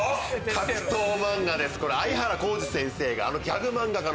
格闘漫画です。